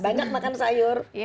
banyak makan sayur